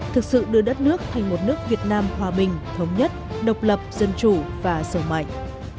thực sự đưa đất nước thành một nước việt nam hòa bình thống nhất độc lập dân chủ và sầu mạnh